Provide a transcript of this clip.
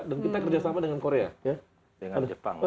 dan kita kerjasama dengan korea ya